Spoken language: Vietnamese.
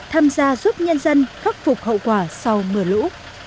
tham gia giúp nhân dân khắc phục hậu quả sau mưa lũ